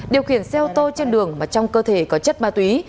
điều khiển xe ô tô trên đường mà trong cơ thể có chất ma túy